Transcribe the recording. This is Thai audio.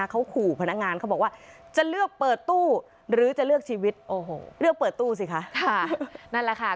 เรื่องเปิดตู้สิคะ